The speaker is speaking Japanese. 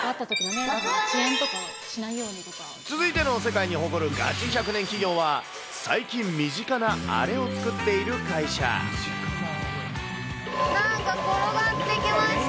続いての世界に誇るガチ１００年企業は、最近身近なあれなんか転がってきました。